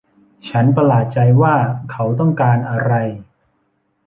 ฉันประหลาดใจว่าเขาต้องการอะไร